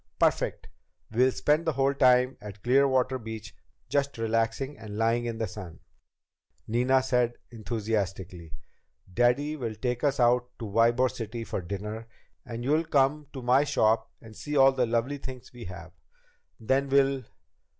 "Perfect! We'll spend the whole time at Clearwater Beach just relaxing and lying in the sun," Nina said enthusiastically. "Daddy will take us out to Ybor City for dinner and you'll come to my shop and see all the lovely things we have. Then we'll